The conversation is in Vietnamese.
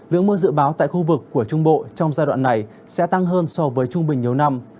lượng mưa dự báo tại khu vực của trung bộ trong giai đoạn này sẽ tăng hơn so với trung bình nhiều năm